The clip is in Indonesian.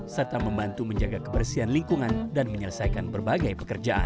serta membantu menjaga kebersihan lingkungan dan menyelesaikan berbagai pekerjaan